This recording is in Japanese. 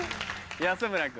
安村君。